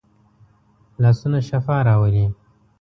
لاسونه شفا راولي